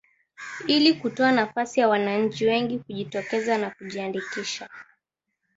ilikutoa nafasi kwa wananchi wengi kujitokeza kujiandikisha